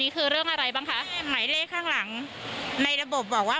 ครับ